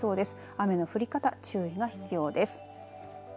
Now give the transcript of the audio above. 雨の降り方、注意が必要です。